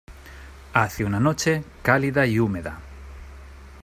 Hace una noche cálida y húmeda.